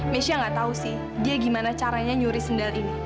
michia nggak tahu sih dia gimana caranya nyuri sendal ini